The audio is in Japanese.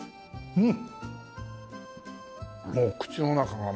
うん。